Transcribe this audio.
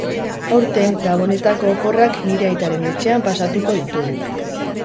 Aurten gabonetako oporrak nire aitaren etxean pasatuko ditugu.